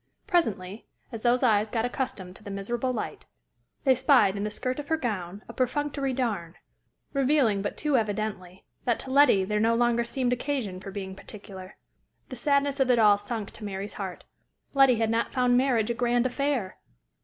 Presently, as those eyes got accustomed to the miserable light, they spied in the skirt of her gown a perfunctory darn, revealing but too evidently that to Letty there no longer seemed occasion for being particular. The sadness of it all sunk to Mary's heart: Letty had not found marriage a grand affair!